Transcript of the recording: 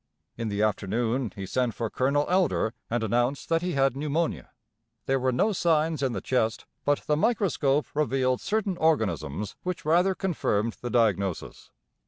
In the afternoon he sent for Colonel Elder, and announced that he had pneumonia. There were no signs in the chest; but the microscope revealed certain organisms which rather confirmed the diagnosis.